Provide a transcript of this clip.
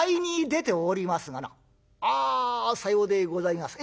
「ああさようでございますか。